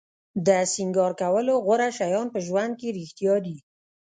د سینګار کولو غوره شیان په ژوند کې رښتیا دي.